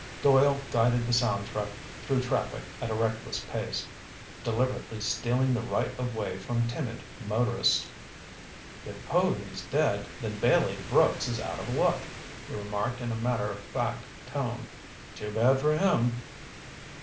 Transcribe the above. Doyle guided the sound truck through traffic at a reckless pace, deliberately stealing the right of way from timid motorists. "If Povy's dead, then Bailey Brooks is out of luck," he remarked in a matter of fact tone. "Too bad for him."